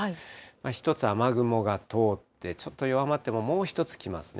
１つ雨雲が通って、ちょっと弱まってももう１つ来ますね。